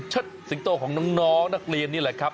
โสดของน้องน้องน้องนักเรียนนี่ล่ะครับ